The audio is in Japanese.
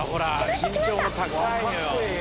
身長も高いのよ。